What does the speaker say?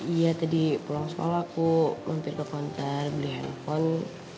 iya tadi pulang sekolah aku mampir ke konter beli handphone